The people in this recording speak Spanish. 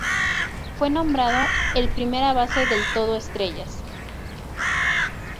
Fue nombrado el primera base del todo estrellas.